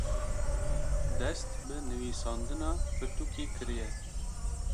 dest bi nivîsandina pirtûkê kiriye